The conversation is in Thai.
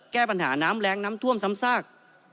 แก้ปัญหาน้ำแรงน้ำท่วมซ้ำซาก